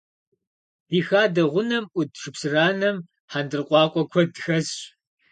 Ди хадэ гъунэм Ӏут шыпсыранэм хьэндыркъуакъуэ куэд хэсщ.